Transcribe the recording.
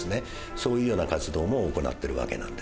そういうような活動も行っているわけなんです。